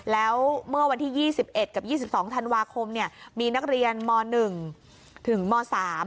แล้วเมื่อวันที่ยี่สิบเอ็ดกับยี่สิบสองธันวาคมเนี่ยมีนักเรียนมหนึ่งถึงมสาม